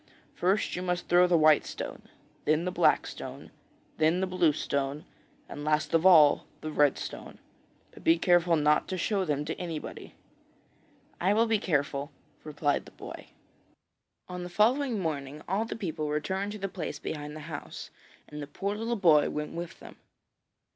'First you must throw the white stone, then the black stone, then the blue stone, and last of all the red stone. But be careful not to show them to anybody.' 'I will be careful,' replied the boy. On the following morning all the people returned to the place behind the house, and the poor little boy went with them.